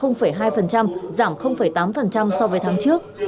giảm tám so với tháng trước